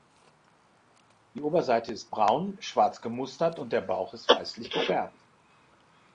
Die Oberseite ist braun, schwarz gemustert und der Bauch ist weißlich gefärbt.